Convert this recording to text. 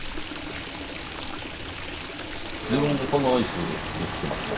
自分もこの椅子持ってきてました。